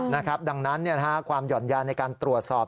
ดังนั้นความหย่อนยานในการตรวจสอบ